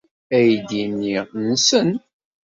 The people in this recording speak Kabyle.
Aydi-nni nsen.